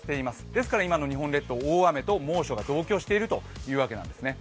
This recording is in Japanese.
ですから、今の日本列島、大雨と猛暑が同居しているというわけなんですね。